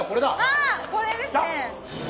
あこれですね！